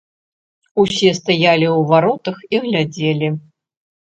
Усе стаялі ў варотах і глядзелі.